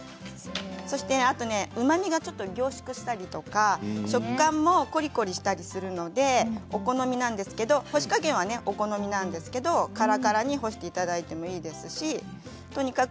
うまみが凝縮したりとか食感もコリコリしたりするので干し加減はお好みなんですけれどもからからに干していただいてもいいですしとにかく